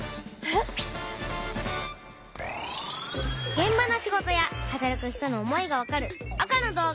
げん場の仕事や働く人の思いがわかる赤の動画。